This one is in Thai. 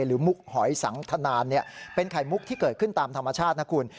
มุกหอยสังทนานเป็นไข่มุกที่เกิดขึ้นตามธรรมชาตินะคุณ